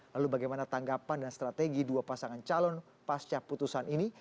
lalu bagaimana tanggapan dan strategi dua pasangan calon pasca putusan ini